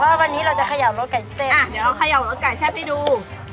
แล้วก็อันนี้จะเป็นพลิกหูและข้อภูวิวว่ากไก่แซ่บทำไมแผงเบิร์คพลิกนี่เอง